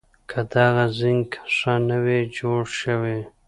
که دغه زېنک ښه نه وي جوړ شوي